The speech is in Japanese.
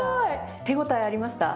手応えありました？